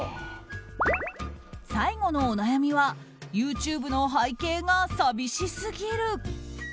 最後のお悩みはＹｏｕＴｕｂｅの背景が寂しすぎる。